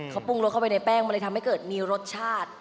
เขาปรุงรสเข้าไปในแป้งมันเลยทำให้เกิดมีรสชาติ